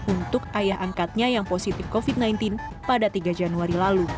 untuk ayah angkatnya yang positif covid sembilan belas pada tiga januari lalu